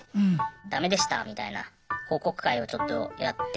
ダメでしたみたいな報告会をちょっとやって。